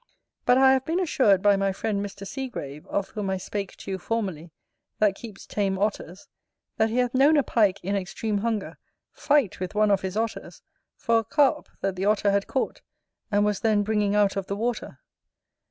But I have been assured by my friend Mr. Segrave, of whom I spake to you formerly, that keeps tame Otters, that he hath known a Pike, in extreme hunger, fight with one of his Otters for a Carp that the Otter had caught, and was then bringing out of the water.